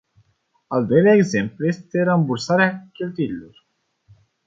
Al doilea exemplu este rambursarea cheltuielilor.